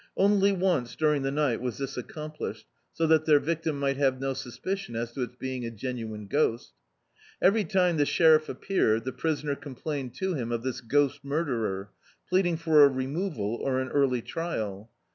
Once only during the night was this accomplished, so that their victim mi^t have no suspicion as to its being a genuine ghosL Every time the sheriff appeared die prisoner complained to him of this ^ost murderer, plead ing for a removal, or an early trial.